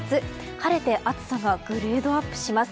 晴れて暑さがグレードアップします。